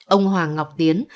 ông hoàng ngọc tiến